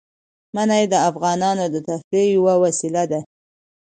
منی د افغانانو د تفریح یوه وسیله ده.